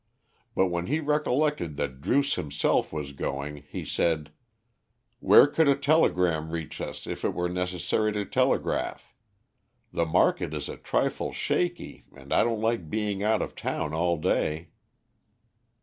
But when he recollected that Druce himself was going, he said, "Where could a telegram reach us, if it were necessary to telegraph? The market is a trifle shaky, and I don't like being out of town all day."